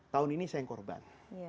tahun ini saya kurban